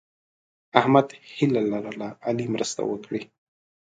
احمد هیله لرله علي مرسته وکړي.